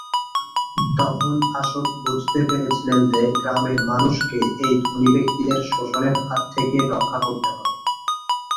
তখন অশোক বুঝতে পেরেছিলেন যে, গ্রামের মানুষকে এই ধনী ব্যক্তিদের শোষণের হাত থেকে রক্ষা করতে হবে।